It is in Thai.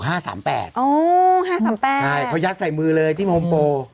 โอ้โฮ๕๓๘ใช่เขายัดใส่มือเลยที่มมโป